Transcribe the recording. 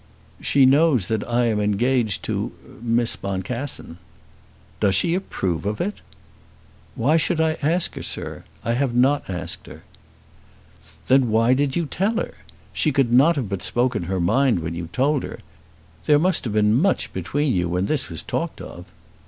"She knows that I am engaged to Miss Boncassen." "Does she approve of it?" "Why should I ask her, sir? I have not asked her." "Then why did you tell her? She could not but have spoken her mind when you told her. There must have been much between you when this was talked of."